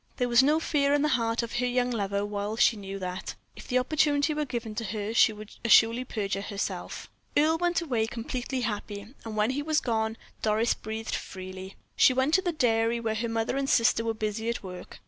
There was no fear in the heart of her young lover, while she knew that, if the opportunity were given to her, she would assuredly perjure herself. Earle went away completely happy, and when he was gone Doris breathed freely. She went to the dairy where her mother and sister were busy at work.